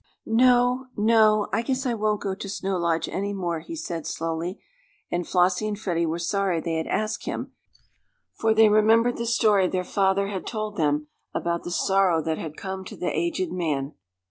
"No no I guess I won't go to Snow Lodge any more," he said slowly, and Flossie and Freddie were sorry they had asked him, for they remembered the story their father had told them about the sorrow that had come to the aged man.